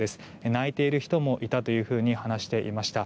泣いている人もいたというふうに話していました。